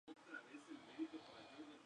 All songs written by The Used.